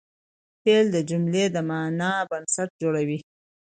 فاعل د جملې د معنی بنسټ جوړوي.